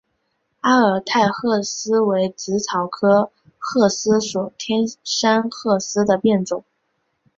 阿尔泰鹤虱为紫草科鹤虱属天山鹤虱的变种。